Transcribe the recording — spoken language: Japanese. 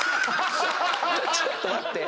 ちょっと待って。